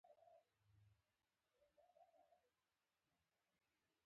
غول د سالم ژوند ګواه دی.